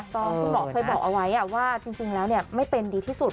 ก็คุณหมอเคยบอกเอาไว้ว่าจริงแล้วไม่เป็นดีที่สุด